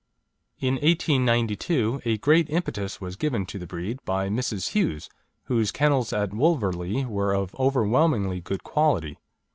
In 1892 a great impetus was given to the breed by Mrs. Hughes, whose kennels at Wolverley were of overwhelmingly good quality.